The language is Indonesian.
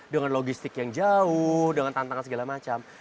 dengan logistik yang jauh dengan tantangan segala macam